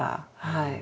はい。